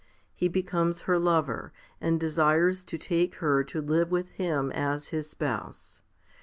He becomes her lover, and desires to take her to live with him as his spouse.